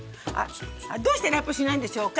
どうしてラップいないんでしょうか？